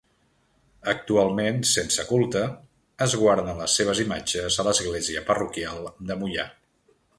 Actualment, sense culte, es guarden les seves imatges a l'església parroquial de Moià.